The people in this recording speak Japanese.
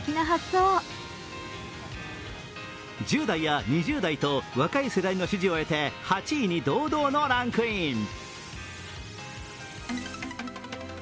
１０代や２０代と若い世代の支持を得て、８位に堂々ランクイン。